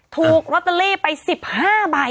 ถูกลอตเตอรี่ไปสิบห้าใบอ่ะ